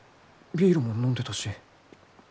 ビールも飲んでたし